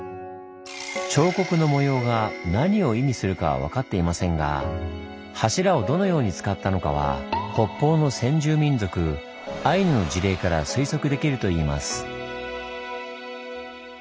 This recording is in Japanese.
彫刻の模様が何を意味するかは分かっていませんが柱をどのように使ったのかは北方の先住民族アイヌの事例から推測できるといいます。